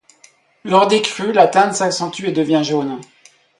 Lors des crues, la teinte s'accentue et devient jaune.